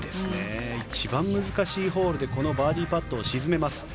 一番難しいホールでこのバーディーパットを沈めます。